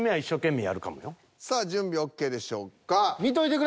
さあ準備ＯＫでしょうか。